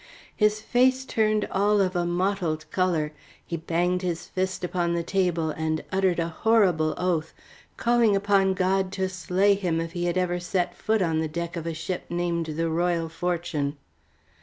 His face turned all of a mottled colour; he banged his fist upon the table and uttered a horrible oath, calling upon God to slay him if he had ever set foot on the deck of a ship named the Royal Fortune.